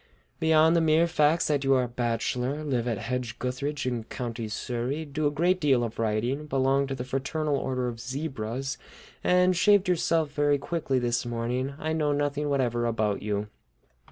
Beyond the mere facts that you are a bachelor, live at Hedge gutheridge in County Surrey, do a great deal of writing, belong to the Fraternal Order of Zebras, and shaved yourself very quickly this morning, I know nothing whatever about you."